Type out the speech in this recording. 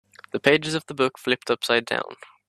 The pages of the book flipped upside down.